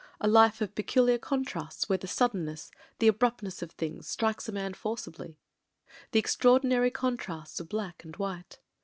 A life of peculiar contrasts — where the suddenness — ^the abruptness of things strikes a man forcibly: the extraordinary contrasts of black and white.